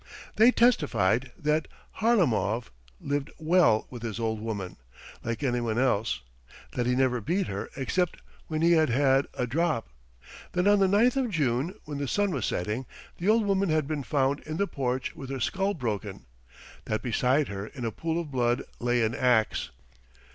They testified that Harlamov lived "well" with his old woman, like anyone else; that he never beat her except when he had had a drop; that on the ninth of June when the sun was setting the old woman had been found in the porch with her skull broken; that beside her in a pool of blood lay an axe.